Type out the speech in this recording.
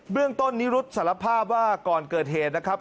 เรื่องต้นนิรุธสารภาพว่าก่อนเกิดเหตุนะครับ